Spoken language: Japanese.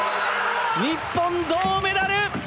日本、銅メダル！